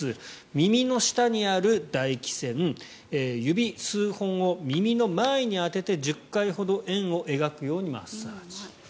耳の下にあるだ液腺指数本を耳の前に当てて１０回ほど円を描くようにマッサージ。